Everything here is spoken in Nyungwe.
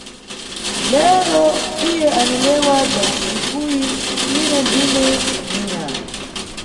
Lero iye anilewa bza ntsikuyi, Ine ndine Nina.